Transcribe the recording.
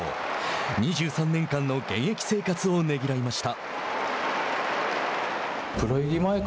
２３年間の現役生活をねぎらいました。